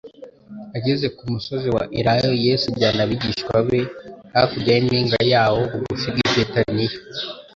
Ageze ku nuvauu wa Elayono, Yesu ajyana abigishwa beklurya y'impinga yawo bugufi bw'i Betaniya.